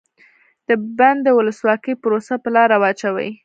د بن د ولسواکۍ پروسه په لاره واچوي.